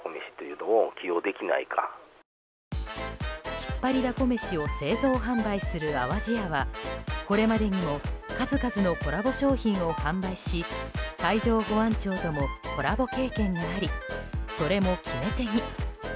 ひっぱりだこ飯を製造・販売する淡路屋はこれまでにも数々のコラボ商品を販売し海上保安庁ともコラボ経験がありそれも決め手に。